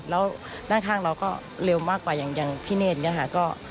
แล้วด้านข้างเราก็เร็วมากกว่าอย่างพี่เนธอย่างนี้ค่ะ